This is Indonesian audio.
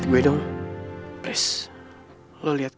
kan supaya dunia bisa bicara sama lain